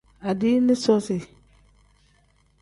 Adiini soozi.